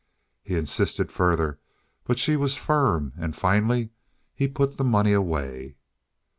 He insisted further, but she was firm, and finally he put the money away.